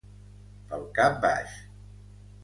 Pel cap baix.